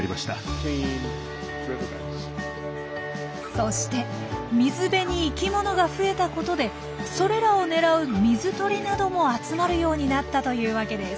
そして水辺に生きものが増えたことでそれらを狙う水鳥なども集まるようになったというわけです。